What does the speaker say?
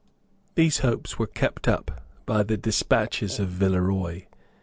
These hopes were kept up by the despatches of Villeroy.